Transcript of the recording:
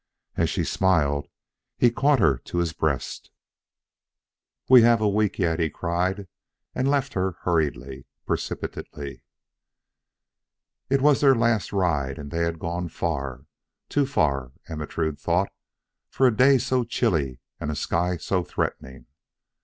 As she smiled, he caught her to his breast. "We have yet a week," he cried, and left her hurriedly, precipitately. It was their last ride and they had gone far too far, Ermentrude thought, for a day so chilly and a sky so threatening.